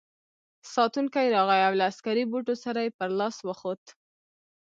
ساتونکی راغی او له عسکري بوټو سره یې پر لاس وخوت.